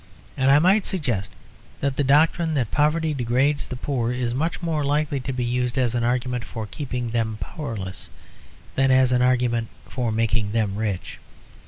And I might suggest that the doctrine that poverty degrades the poor is much more likely to be used as an argument for keeping them powerless than as an argument for making them rich.